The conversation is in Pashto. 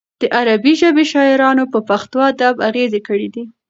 د عربي ژبې شاعرانو په پښتو ادب اغېز کړی دی.